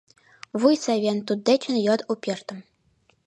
Вуй савен туддечын йод у пӧртым».